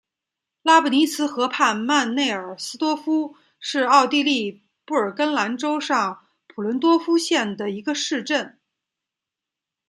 拉布尼茨河畔曼内尔斯多夫是奥地利布尔根兰州上普伦多夫县的一个市镇。